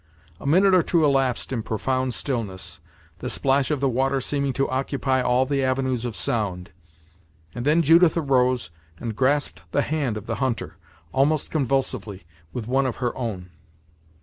A minute or two elapsed in profound stillness, the splash of the water seeming to occupy all the avenues of sound; and then Judith arose, and grasped the hand of the hunter, almost convulsively, with one of her own.